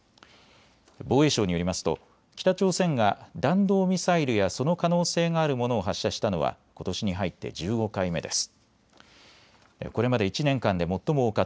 防衛省によりますと北朝鮮が弾道ミサイルやその可能性があるものを発射したのはことしに入って１５回目です。